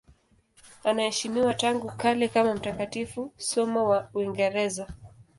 Anaheshimiwa tangu kale kama mtakatifu, somo wa Uingereza.